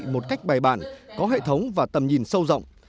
một cách bài bản có hệ thống và tầm nhìn sâu rộng